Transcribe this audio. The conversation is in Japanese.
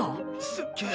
すっげぇ。